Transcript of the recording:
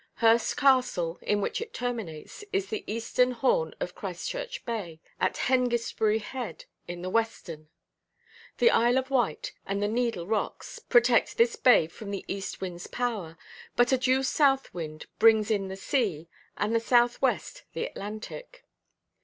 Hurst Castle, in which it terminates, is the eastern horn of Christchurch Bay, as Hengistbury Head is the western. The Isle of Wight and the Needle Rocks protect this bay from the east windʼs power, but a due south wind brings in the sea, and a south–west the Atlantic.